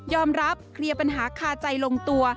รับเคลียร์ปัญหาคาใจลงตัว